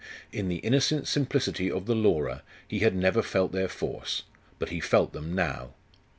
In the innocent simplicity of the Laura he had never felt their force; but he felt them now.